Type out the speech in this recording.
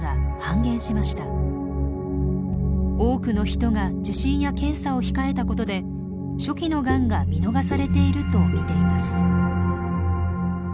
多くの人が受診や検査を控えたことで初期のがんが見逃されていると見ています。